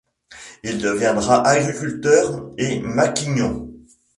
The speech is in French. Il deviendra agriculteur et maquignon.